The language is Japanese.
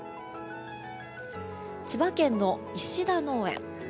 千葉県の石田農園。